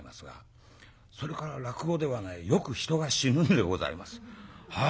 それから落語ではねよく人が死ぬんでございます。